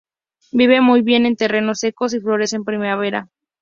Vive muy bien en terrenos secos y florece en primavera.